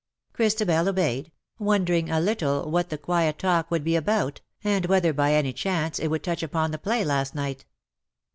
Christabel obeyed^ wondering a little what the quiet talk would be about, and whether by any chance it would touch upon the play last night.